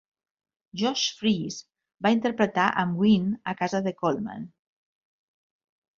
Josh Freese va interpretar amb Ween a casa de Coleman.